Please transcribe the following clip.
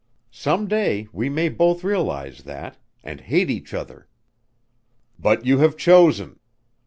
Some day we may both realize that and hate each other." "But you have chosen!